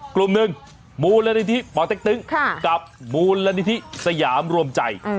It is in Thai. กลุ่มหนึ่งมูลนิธิป่อเต็กตึงกับมูลนิธิสยามรวมใจ